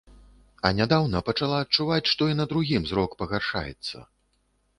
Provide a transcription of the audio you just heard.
А нядаўна пачала адчуваць, што і на другім зрок пагаршаецца.